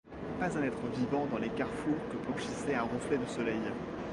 Pas un être vivant dans les carrefours que blanchissait un reflet de soleil.